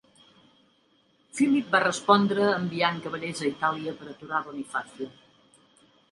Philip va respondre enviant cavallers a Itàlia per aturar Bonifacio.